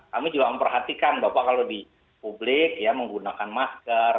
kami juga memperhatikan bapak kalau di publik ya menggunakan masker